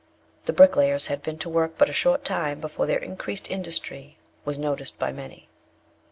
The bricklayers had been to work but a short time, before their increased industry was noticed by many.